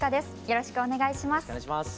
よろしくお願いします。